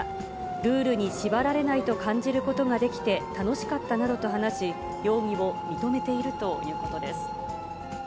ルールに縛られないと感じることができて楽しかったなどと話し、容疑を認めているということです。